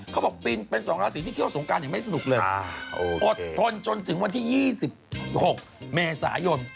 เค้าบอกตีนเป็นสองราศีนี้เคี่ยวสงการยังไม่สนุกเลยอดทนจนถึงวันที่๒๖เมษายน